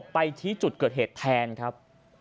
ไปชี้จุดเกิดเหตุแทนครับ